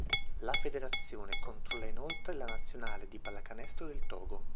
La federazione controlla inoltre la nazionale di pallacanestro del Togo.